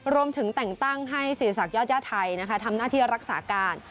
แต่งตั้งให้ศิริษักยอดย่าไทยทำหน้าที่รักษาการ